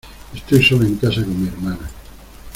Estoy sola en casa con mi hermana.